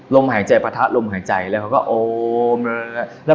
ลมหายใจปะทะลมหายใจแล้วเขาก็โอ้มแบบนี้แหละ